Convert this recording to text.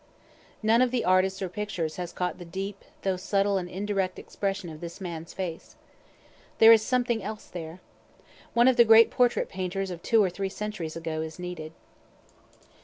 None of the artists or pictures has caught the deep, though subtle and indirect expression of this man's face. There is something else there. One of the great portrait painters of two or three centuries ago is needed.